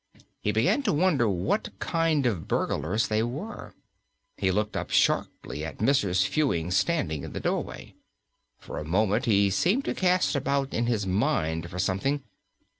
He began to wonder what kind of burglars they were. He looked up sharply at Mrs. Fewings standing in the doorway. For a moment he seemed to cast about in his mind for something.